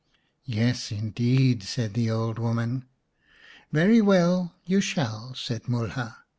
" Yes, indeed," said the old woman. " Very well, you shall," said Mulha.